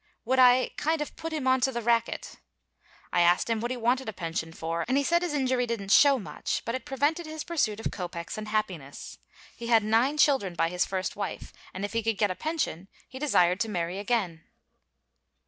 Would I "kind of put him onto the racket." I asked him what he wanted a pension for, and he said his injury didn't show much, but it prevented his pursuit of kopecks and happiness. He had nine children by his first wife, and if he could get a pension he desired to marry again.